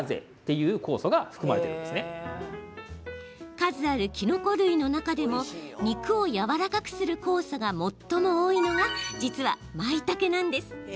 数ある、きのこ類の中でも肉をやわらかくする酵素が最も多いのが実は、まいたけなんです。